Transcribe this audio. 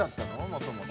もともと。